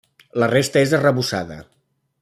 La resta és arrebossada.